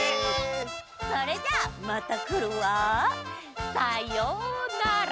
それじゃあまたくるわ。さようなら！